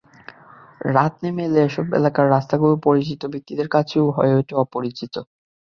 রাত নেমে এলে এসব এলাকার রাস্তাগুলো পরিচিত ব্যক্তির কাছেও হয়ে ওঠে অপরিচিত।